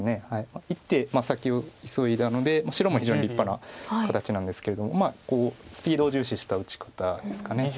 １手先を急いだので白も非常に立派な形なんですけれどもスピードを重視した打ち方ですか。